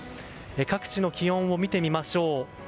各地の気温を見てみましょう。